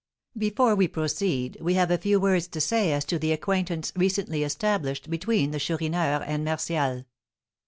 Before we proceed we have a few words to say as to the acquaintance recently established between the Chourineur and Martial.